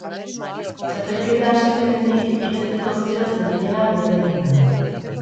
Txapelketa hasi zenetik hitzetik hortzera zebilena bete egin da.